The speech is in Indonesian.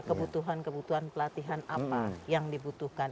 kebutuhan kebutuhan pelatihan apa yang dibutuhkan